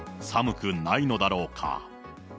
寒くないのだろうか。